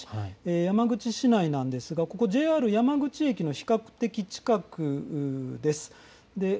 山口市内なんですがＪＲ山口駅の比較的近くです。